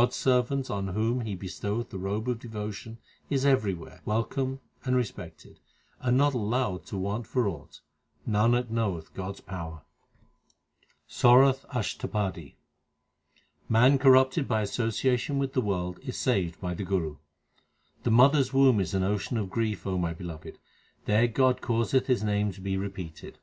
HYMNS OF GURU ARJAN 359 God s servant on whom He bestoweth the robe of devo tion is everywhere Welcomed and respected, and not allowed to want for aught ; Nanak knoweth God s power. SORATH ASHTAPADI Man corrupted by association with the world is saved by the Guru : The mother s womb is an ocean of grief, O my Beloved ; there God causeth His name to be repeated.